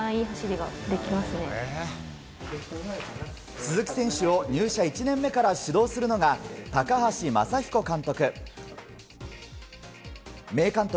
鈴木選手を入社１年目から指導するのが高橋昌彦監督。